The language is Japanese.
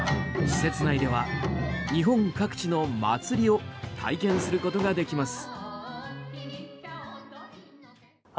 施設内では日本各地の祭りを体験することができます。